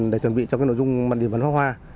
để chuẩn bị cho nội dung bắn điểm bắn pháo hoa